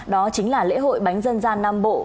đó chính là lễ hội bánh dân gian nam bộ